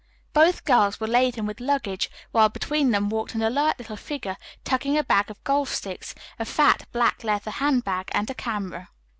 Both girls were laden with luggage, while between them walked an alert little figure, tugging a bag of golf sticks, a fat, black leather hand bag and a camera.